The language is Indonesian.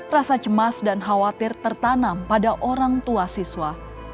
rasa cemas dan khawatir tertanam pada orang tua siswa